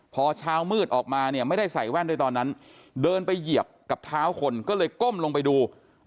พอเช้ามืดออกมาเนี่ยไม่ได้ใส่แว่นด้วยตอนนั้นเดินไปเหยียบกับเท้าคนก็เลยก้มลงไปดู